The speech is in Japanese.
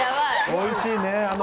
おいしいね。